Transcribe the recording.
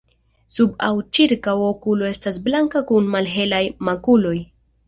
Sub aŭ ĉirkaŭ okulo estas blanka kun malhelaj makuloj.